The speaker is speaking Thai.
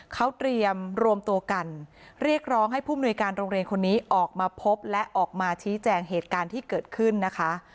เขาเตรียมรวมตัวกันเรียกร้องให้ผู้มนุยการโรงเรียนคนนี้ออกมาพบและออกมาชี้แจงเหตุการณ์ที่เกิดขึ้นนะคะ